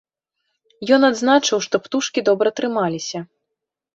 Ён адзначыў, што птушкі добра трымаліся.